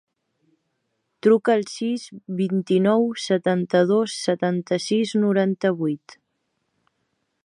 Truca al sis, vint-i-nou, setanta-dos, setanta-sis, noranta-vuit.